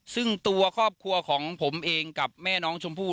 ซึ่งตัวครอบครัวของผมเองกับแม่น้องชมพู่